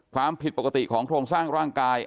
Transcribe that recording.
ความผิดปกติของโครงสร้างร่างกาย